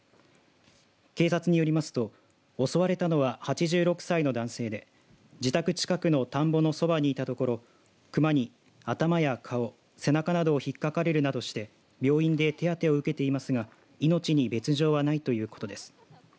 警察によりますと、襲われたのは８６歳の男性で自宅近くの田んぼのそばにいたところ熊に頭や顔、背中などをひっかかれるなどして病院で手当を受けていますが命に別条はないということです。